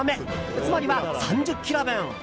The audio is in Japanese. つまりは３０ｋｇ分！